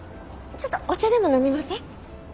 ちょっとお茶でも飲みません？